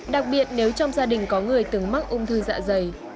đặc biệt nếu trong gia đình có người từng mắc ung thư dạ dày